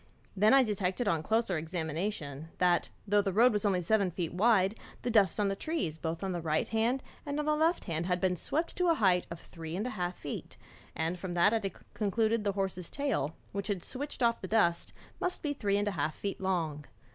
I then detected on closer examination, that though the road was only seven feet wide, the dust on the trees both on the right hand and on the left had been swept to a height of three and a half feet, and from that I concluded the horse's tail, which had switched off the dust, must be three and a half feet long.